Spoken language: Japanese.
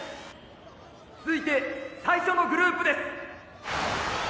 続いて最初のグループです！」。